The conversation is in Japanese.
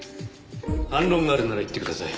反論があるなら言ってください。